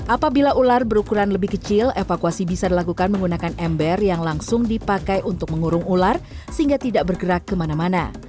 apabila ular berukuran lebih kecil evakuasi bisa dilakukan menggunakan ember yang langsung dipakai untuk mengurung ular sehingga tidak bergerak kemana mana